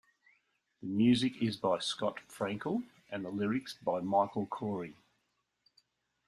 The music is by Scott Frankel and the lyrics by Michael Korie.